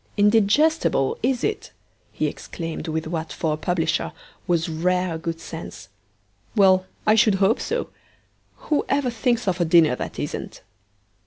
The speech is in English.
'Indigestible, is it?' he exclaimed with what, for a publisher, was rare good sense. 'Well, I should hope so; who ever thinks of a dinner that isn't?'